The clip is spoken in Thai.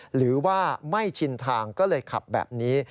หรือว่าไม่ชินทางก็เลยขับแบบนี้